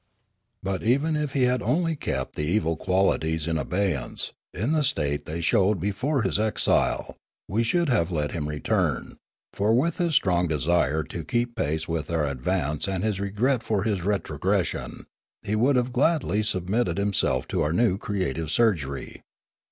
" But even if he had only kept the evil qualities in abeyance, in the state they showed before his exile, we should have let him return ; for with his strong de sire to keep pace with our advance and his regret for his retrogression, he would have gladly submitted himself to our new creative surgery.